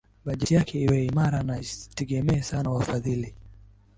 bajeti yake iwe imara na isitegemee sana wafadhili